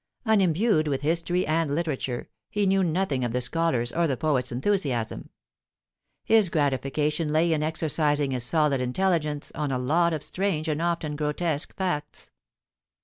Unimbued with history and literature, he knew nothing of the scholar's or the poet's enthusiasm; his gratification lay in exercising his solid intelligence on a lot of strange and often grotesque facts.